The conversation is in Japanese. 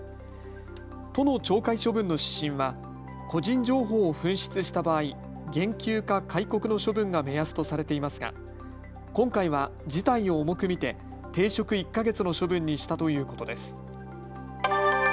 都の懲戒処分の指針は個人情報を紛失した場合、減給か戒告の処分が目安とされていますが今回は事態を重く見て停職１か月の処分にしたということです。